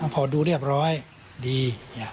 พอดูเรียบร้อยดี